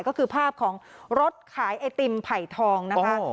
ก็คือภาพของรถขายไอติมไผ่ทองนะคะ